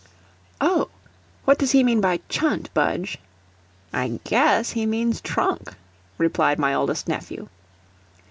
] "Oh! What does he mean by chunt, Budge?" "I GUESS he means trunk," replied my oldest nephew.